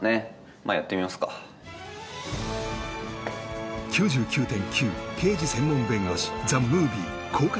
まあやってみますか「９９．９−刑事専門弁護士−ＴＨＥＭＯＶＩＥ」公開